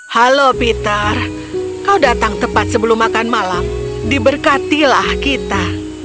halo peter kau datang tepat sebelum makan malam diberkatilah kita